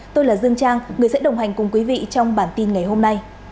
tôi là dương trang người sẽ đồng hành cùng quý vị trong bản tin ngày hôm nay